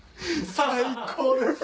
最高です！